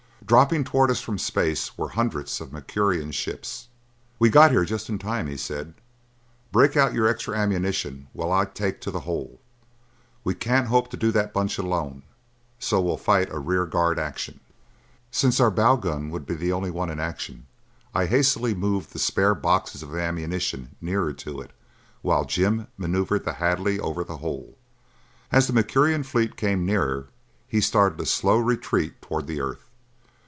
Dropping toward us from space were hundreds of the Mercurian ships. "We got here just in time," he said. "Break out your extra ammunition while I take to the hole. We can't hope to do that bunch alone, so we'll fight a rearguard action." Since our bow gun would be the only one in action, I hastily moved the spare boxes of ammunition nearer to it while Jim maneuvered the Hadley over the hole. As the Mercurian fleet came nearer he started a slow retreat toward the earth.